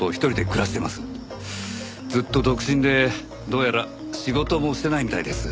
ずっと独身でどうやら仕事もしてないみたいです。